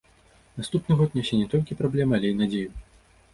Наступны год нясе не толькі праблемы, але і надзею.